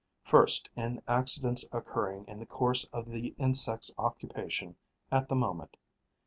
First, in accidents occurring in the course of the insect's occupation at the moment.